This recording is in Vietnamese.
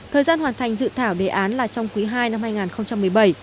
thời gian hoàn thành dự thảo đề án là trong quý ii năm hai nghìn một mươi bảy